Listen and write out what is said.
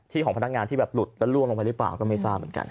ของพนักงานที่แบบหลุดแล้วล่วงลงไปหรือเปล่าก็ไม่ทราบเหมือนกัน